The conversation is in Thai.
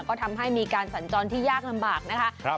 ก็ทำให้มีการสัญจรที่ยากลำบากนะคะ